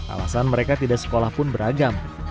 alasan mereka tidak sekolah pun beragam